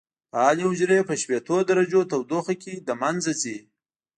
فعالې حجرې په شپېتو درجو تودوخه کې له منځه ځي.